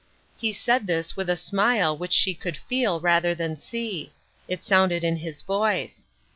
He said this with a smile which she could feel, rather than see ; it sounded in his voice.